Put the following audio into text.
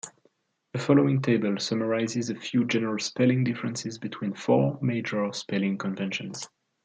The following table summarizes a few general spelling differences between four major spelling conventions.